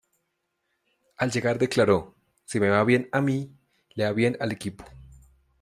Al llegar declaró: “Si me va bien a mí, le va bien al equipo.